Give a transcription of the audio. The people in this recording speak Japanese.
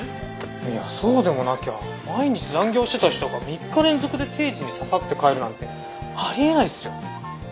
いやそうでもなきゃ毎日残業してた人が３日連続で定時にササッて帰るなんてありえないっすよ。